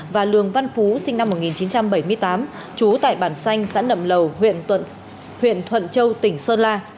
và lường văn phú sinh năm một nghìn chín trăm bảy mươi tám chú tại bản xanh sãn đậm lầu huyện thuận châu tỉnh sơn la